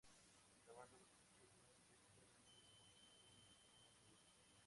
La banda buscó ser más directa, dando como resultado un disco más maduro.